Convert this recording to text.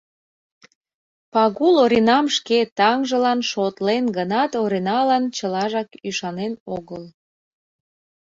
Пагул Оринам шке таҥжылан шотлен гынат, Ориналан чылажак ӱшанен огыл.